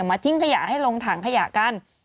ทิ้งขยะให้ลงถังขยะกัน